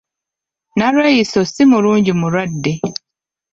Nalweyiso si mulungi mulwadde.